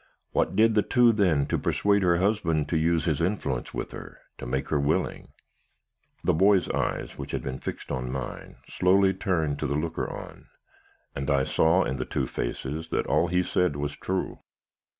What did the two then, to persuade her husband to use his influence with her, to make her willing?' "The boy's eyes, which had been fixed on mine, slowly turned to the looker on, and I saw in the two faces that all he said was true.